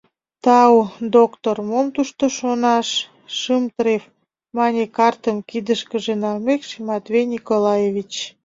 — Тау, доктор, мом тушто шонаш, шым треф, — мане картым кидышкыже налмекше Матвей Николаевич.